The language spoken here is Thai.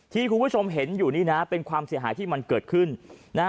ที่คุณผู้ชมเห็นอยู่นี่นะเป็นความเสียหายที่มันเกิดขึ้นนะฮะ